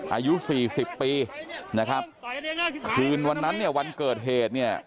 อายุสี่สิบปีนะครับคืนวันนั้นเนี่ยวันเกิดเหตุเนี่ย